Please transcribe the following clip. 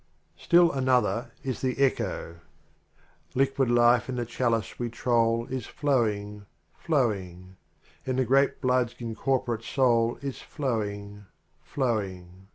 Still another is the echo : Liquid life in the chalice we troll is flowing, flowing; En the grape blood's incorporate soul is flowing, flowing.